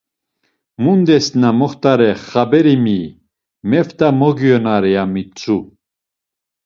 Mundes na moxtare xaberi miyi, meft̆a mogiyonare ya mitzu.